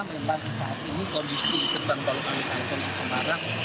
memang kondisi ketuban tol kali kangkung di semarang